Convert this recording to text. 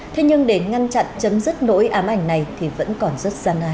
thế nhưng để ngăn chặn chấm dứt nỗi ám ảnh này thì vẫn còn rất gian nan